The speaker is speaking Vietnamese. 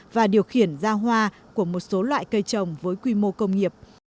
và điều khiển ra hoa của một số loại cây trồng với quy mô công nghiệp